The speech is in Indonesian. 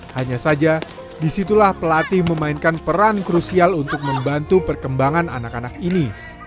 hanya saja disitulah pelatih memainkan peran krusial untuk membantu perkembangan anak anak ini